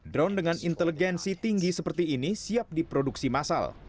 drone dengan inteligensi tinggi seperti ini siap diproduksi massal